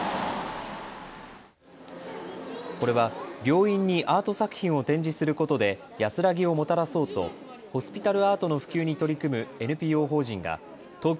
これは病院にアート作品を展示することで安らぎをもたらそうとホスピタルアートの普及に取り組むＮＰＯ法人が東京